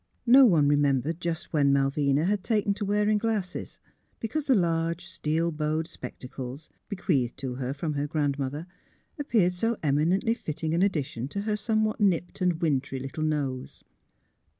No one remembered just when Malvina had taken to wearing glasses, because the large, steel bowed 72 THE HEART OF PHILURA spectacles (bequeathed to her from her grand mother) appeared so eminently fitting an addition to her somewhat nipped and wintry little nose.